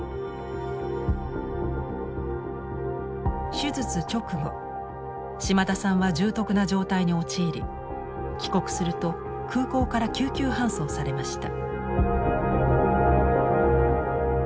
手術直後島田さんは重篤な状態に陥り帰国すると空港から救急搬送されました。